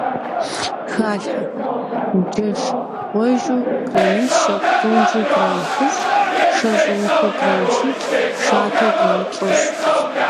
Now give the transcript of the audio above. Халъхьэхэр: джэш гъуэжьу граммищэ, прунжу грамм хыщӏ, шэ щӀэмыхуу грамм щиплӏ, шатэу грамм плӏыщӏ.